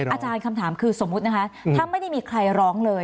อาจารย์คำถามคือสมมุตินะคะถ้าไม่ได้มีใครร้องเลย